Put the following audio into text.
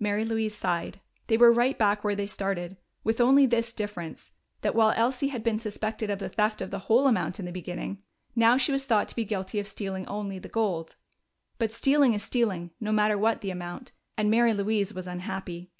Mary Louise sighed. They were right back where they started, with only this difference: that while Elsie had been suspected of the theft of the whole amount in the beginning, now she was thought to be guilty of stealing only the gold. But stealing is stealing, no matter what the amount, and Mary Louise was unhappy.